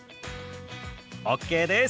ＯＫです！